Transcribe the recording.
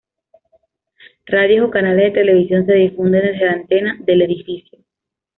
Radios o canales de televisión se difunden desde la antena del edificio.